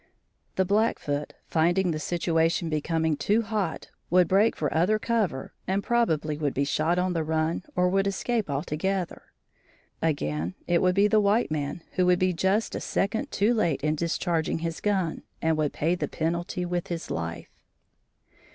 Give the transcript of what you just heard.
The Blackfoot, finding the situation becoming too hot, would break for other cover and probably would be shot on the run or would escape altogether. Again, it would be the white man who would be just a second too late in discharging his gun and would pay the penalty with his life.